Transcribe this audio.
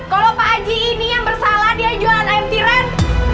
kalau pak haji ini yang bersalah dia jualan ayam tiren